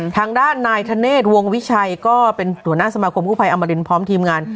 ทางด้านนายธเนศวงวิชัยก็เป็นหัวหน้าสมาคมกู้ภัยอมรินพร้อมทีมงาน